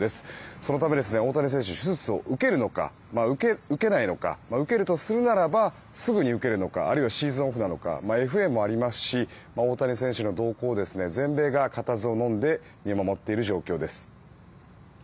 そのため、大谷選手手術を受けるのか、受けないのか受けるとするならばすぐに受けるのかあるいはシーズンオフなのかＦＡもありますし大谷選手の動向を全米が固唾をのんで見守っている状況です。